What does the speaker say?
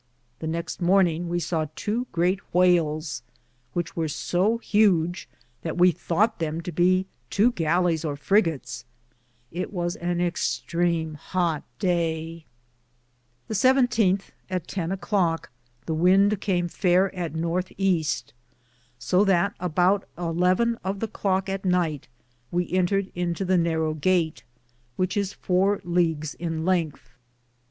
The nexte morninge we saw 2 greate whalis, which wear so huge that we thoughte them to be tow gallis or frigates : ite was an extreame hoote day. The 17th, at 10 a clocke, the wynde came faire at northe easte, so that aboute a 1 1 of the clocke at nyght we entred into the narrow gutt, which is 4 leagues in lengthe.